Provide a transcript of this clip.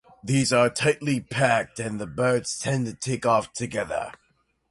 These are tightly packed, and the birds tend to take off together.